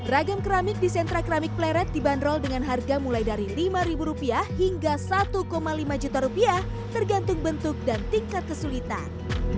ragam keramik di sentra keramik pleret dibanderol dengan harga mulai dari lima rupiah hingga satu lima juta rupiah tergantung bentuk dan tingkat kesulitan